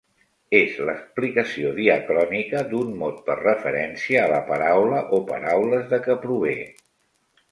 És l’explicació diacrònica d’un mot per referència a la paraula o paraules de què prové.